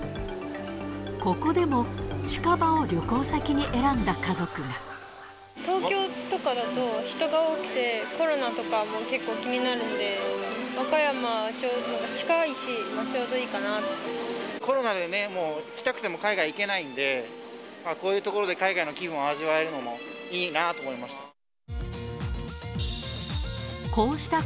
ここでも、近場を旅行先に選んだ東京とかだと、人が多くて、コロナとか結構気になるんで、和歌山はちょうど近いし、ちょうコロナでね、もう行きたくても海外行けないんで、こういう所で海外の気分を味わえるのもいいなと思いました。